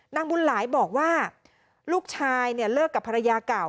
นางบุญหลายบอกว่าลูกชายเลิกกับภรรยาเก่า